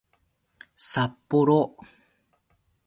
さっぽろ